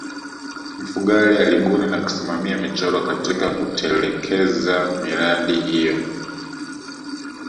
mfugale alibuni na kusimamia michoro katika kutelekeza mradi huu